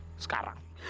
sama satria sekarang